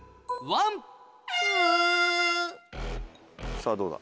さぁどうだ。